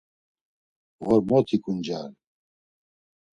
Ğormot̆i kundyari!